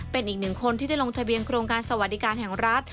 เป็นอีกหนึ่งคนที่ได้ลงทะเบียนโครงการสวัสดิการแห่งรัฐ